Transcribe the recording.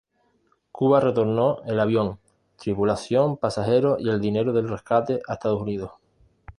Cuba retornó el avión, tripulación, pasajeros y el dinero del rescate a Estados Unidos.